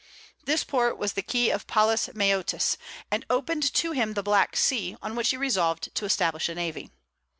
This port was the key of Palus Maeotis, and opened to him the Black Sea, on which he resolved to establish a navy.